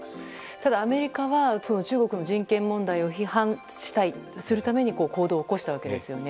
ただアメリカは中国の人権問題を批判するために行動を起こしたわけですよね。